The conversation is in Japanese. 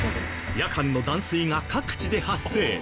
夜間の断水が各地で発生。